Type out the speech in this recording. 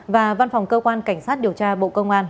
và văn phòng cơ quan cảnh sát điều tra bộ công an